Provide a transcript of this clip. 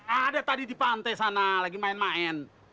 ada tadi di pantai sana lagi main main